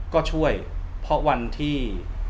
ก็ช่วยเพราะวันที่